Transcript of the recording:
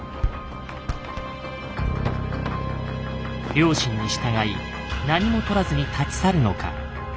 良心に従い何もとらずに立ち去るのか。